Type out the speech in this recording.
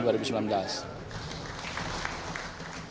p tiga pembangunan pembangunan